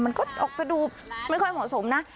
มันก็จะดูไม่ค่อยเหมาะสมนะ